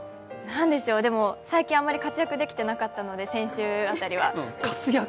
最近はあまり活躍できてなかったので、先週辺りは。